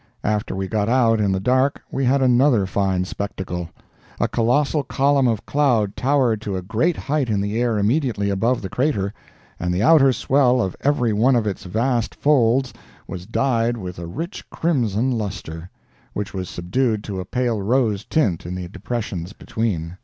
After we got out in the dark we had another fine spectacle. A colossal column of cloud towered to a great height in the air immediately above the crater, and the outer swell of every one of its vast folds was dyed with a rich crimson luster, which was subdued to a pale rose tint in the depressions between.